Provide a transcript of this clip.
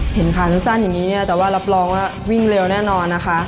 ขาสั้นอย่างนี้แต่ว่ารับรองว่าวิ่งเร็วแน่นอนนะคะ